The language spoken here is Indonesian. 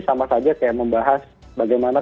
sama saja kayak membahas bagaimana